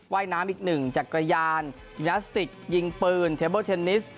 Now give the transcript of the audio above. ว่ายน้ำอีกหนึ่งจักรยานยลาสติกยิงปืนเทเบิลเทนนิส